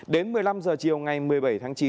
đến một mươi năm h chiều ngày một mươi bảy tháng chín